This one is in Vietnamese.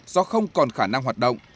do không còn khả năng hoạt động